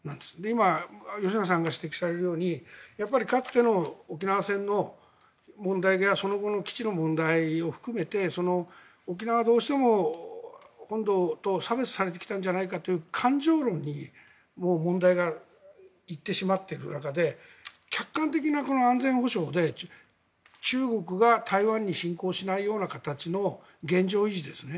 今、吉永さんが指摘されるようにかつての沖縄戦の問題がその後の基地の問題を含めて沖縄はどうしても本土と差別されてきたんじゃないかという感情論に問題が行ってしまっている中で客観的な安全保障で中国が台湾に進攻しないような形の現状維持ですね。